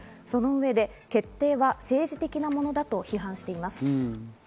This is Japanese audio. その上で決定は政治的なものだと批判しています。